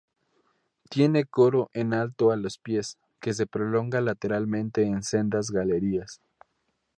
Tiene coro en alto a los pies, que se prolonga lateralmente en sendas galerías.